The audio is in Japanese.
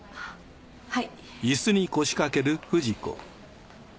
はい。